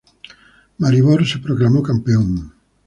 Maribor se proclamó campeón.